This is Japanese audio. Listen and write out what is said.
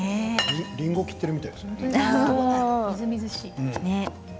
りんごを切っているみたいですね。